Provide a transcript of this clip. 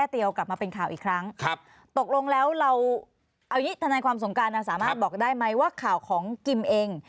เอาอย่างนี้ทนายความสงการสามารถบอกได้ไหมว่าข่าวของกิมเอง